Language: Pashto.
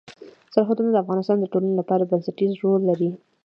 سرحدونه د افغانستان د ټولنې لپاره بنسټيز رول لري.